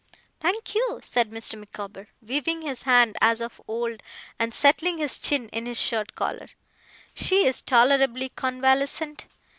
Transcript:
'Thank you,' said Mr. Micawber, waving his hand as of old, and settling his chin in his shirt collar. 'She is tolerably convalescent.